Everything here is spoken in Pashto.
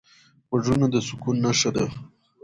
غوږونه د سکون نښه ده